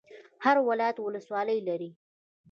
هر ولایت ولسوالۍ لري